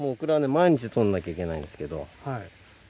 毎日採んなきゃいけないんですけど。